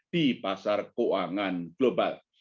di pasar keuangan global